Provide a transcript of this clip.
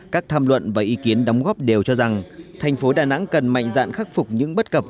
các tham luận và ý kiến đóng góp đều cho rằng thành phố đà nẵng cần mạnh dạn khắc phục những bất cập